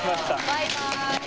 バイバイ。